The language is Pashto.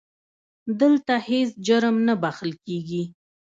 دلته هیڅ جرم نه بښل کېږي.